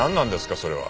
それは。